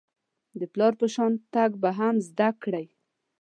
د پلار په شان تګ به هم زده کړئ .